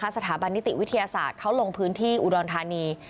สถาบันนิติวิทยาศาสตร์เขาลงพื้นที่อุดรธานี